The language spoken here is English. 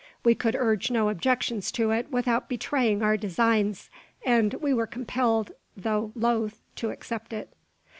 We could urge no objections to it without betraying our designs; and we were compelled, though loth, to accept it.